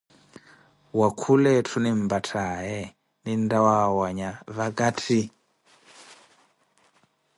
Wakhula ethu nimpatthaye ninttha waawanya vakatti.